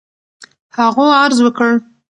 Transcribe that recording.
هغو عرض وكړ: